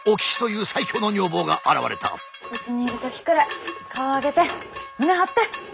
うちにいる時くらい顔上げて胸張って。